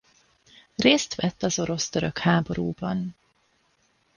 Részt vett az orosz–török háborúban.